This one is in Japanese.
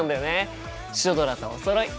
シュドラとおそろい！